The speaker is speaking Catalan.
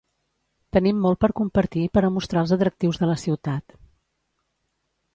Tenim molt per compartir per a mostrar els atractius de la ciutat.